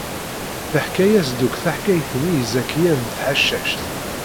Teḥka-as-d akk taḥkayt-nni i Zakiya n Tɛeccact.